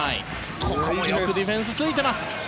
ここもよくディフェンスついてます。